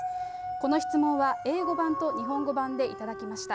この質問は、英語版と日本語版で頂きました。